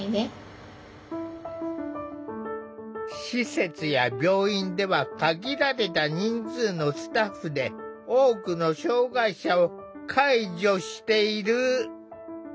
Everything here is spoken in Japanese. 施設や病院では限られた人数のスタッフで多くの障害者を介助している。